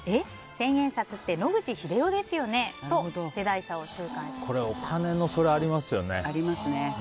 千円札って野口英世ですよね？とこれ、お金のそれはありますよね。